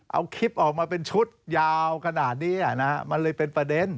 เอาคลิปออกมาเป็นชุดยาวขนาดนี้มันเลยเป็นประเด็น